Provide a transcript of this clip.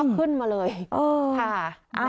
ขึ้นมาเลยค่ะ